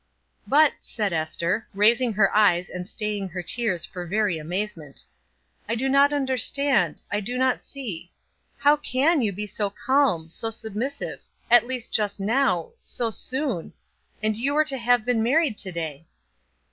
"But," said Ester, raising her eyes and staying her tears for very amazement, "I do not understand I do not see. How can you be so calm, so submissive, at least just now so soon and you were to have been married to day?"